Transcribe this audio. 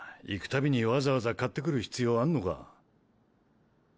行くたびにわざわざ買って来る必要あんのか？